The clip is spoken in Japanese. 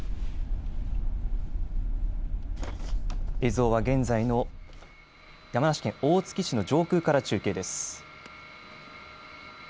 映像は現在の山梨県大月市の上空から中継です。